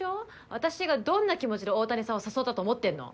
私がどんな気持ちで大谷さんを誘ったと思ってんの。